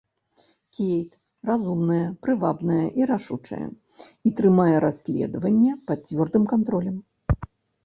Кейт разумная, прывабная і рашучая і трымае расследаванне пад цвёрдым кантролем.